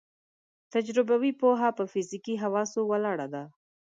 تجربوي پوهه په فزیکي حواسو ولاړه ده.